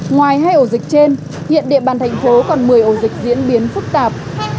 ngoài hai ổ dịch trên hiện địa bàn thành phố còn một mươi ổ dịch diễn biến phức tạp